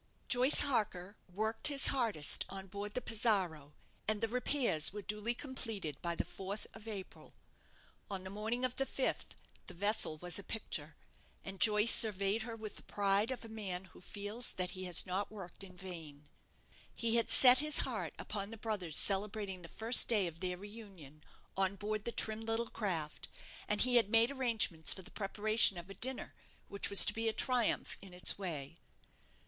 Joyce Harker worked his hardest on board the 'Pizarro', and the repairs were duly completed by the 4th of April. On the morning of the 5th the vessel was a picture, and Joyce surveyed her with the pride of a man who feels that he has not worked in vain. He had set his heart upon the brothers celebrating the first day of their re union on board the trim little craft: and he had made arrangements for the preparation of a dinner which was to be a triumph in its way.